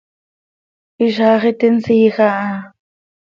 ¡Hizaax iti nsiij aha!